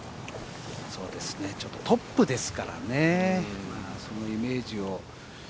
トップですからねそのイメージを。